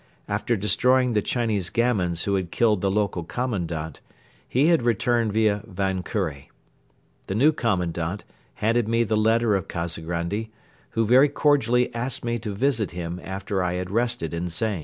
After destroying the Chinese gamins who had killed the local Commandant, he had returned via Van Kure. The new Commandment handed me the letter of Kazagrandi, who very cordially asked me to visit him after I had rested in Zain.